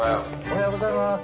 おはようございます。